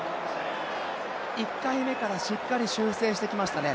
１回目からしっかり修正してきましたね。